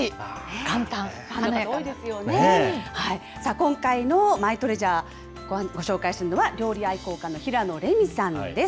今回のマイトレジャー、ご紹介するのは、料理愛好家の平野レミさんです。